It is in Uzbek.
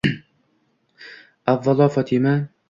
Avvalo Fotima...